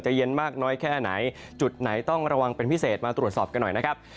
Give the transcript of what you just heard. เย็นมากน้อยแค่ไหนจุดไหนต้องระวังเป็นพิเศษมาตรวจสอบกันหน่อยนะครับ